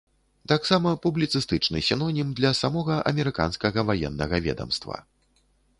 Таксама, публіцыстычны сінонім для самога амерыканскага ваеннага ведамства.